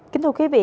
kính thưa quý vị